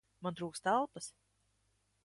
Man trūkst elpas!